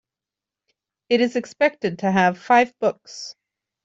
It is expected to have five books.